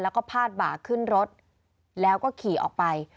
แล้วก็พาดบ่าขึ้นรถแล้วก็ขี่ออกไป